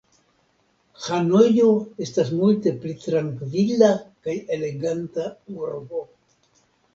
Hanojo estas multe pli trankvila kaj eleganta urbo.